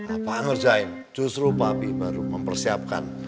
apaan ngerjain justru papi baru mempersiapkan